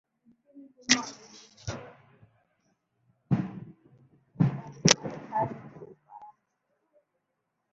nchini humo amezishitumu vikali marekani na ufaransa